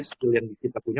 sekalian kita punya